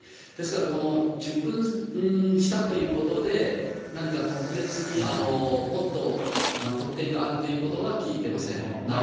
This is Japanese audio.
ですから、受勲したということで、何か特別にもっと特典があるということは聞いてません。